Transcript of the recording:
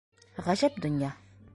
Ғәжәп донъя.